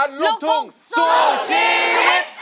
เป็นร้อนลูกทุ่งสู้ชีวิต